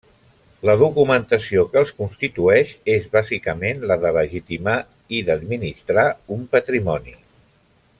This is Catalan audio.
La documentació que els constitueix és bàsicament la de legitimar i d'administrar un patrimoni.